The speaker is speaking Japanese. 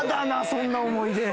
そんな思い出。